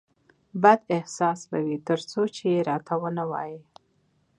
بد احساس به وي ترڅو چې راته ونه وایې